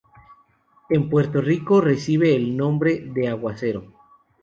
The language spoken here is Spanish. En Puerto Rico recibe el nombre de aguacero.